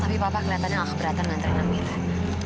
tapi papa kelihatannya gak keberatan ngantrein amirah